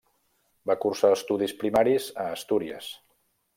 Va cursar estudis primaris a Astúries.